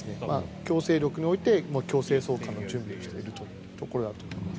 強制力において強制送還の準備をしているところだと思います。